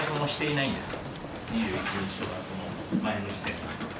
してはいないんですか？